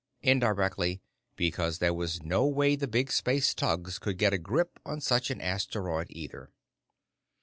Indirectly, because there was no way the big space tugs could get a grip on such an asteroid, either.